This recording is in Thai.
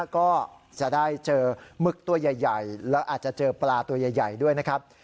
ก็จะได้เจอหมึกตัวใหญ่แล้วอาจจะเจอปลาตัวใหญ่ด้วยนะครับ